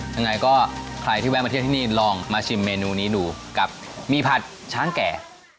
ยังไงก็ใครที่แวะมาเที่ยวที่นี่ลองมาชิมเมนูนี้ดูกับมีผัดช้างแก่